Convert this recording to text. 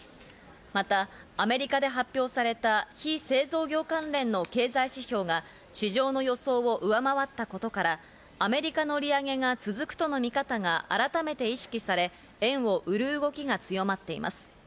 またアメリカで発表された非製造業関連の経済指標が市場の予想を上回ったことから、アメリカの利上げが続くとの見方が改めて意識され、円を売る動きが強まっています。